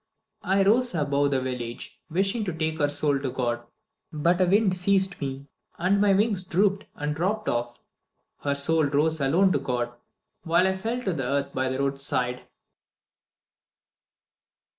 I rose above the village, wishing to take her soul to God; but a wind seized me, and my wings drooped and dropped off. Her soul rose alone to God, while I fell to earth by the roadside."